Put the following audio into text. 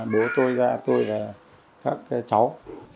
bố tôi gia tôi và các cháu